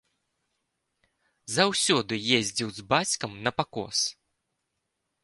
Заўсёды ездзіў з бацькам на пакос.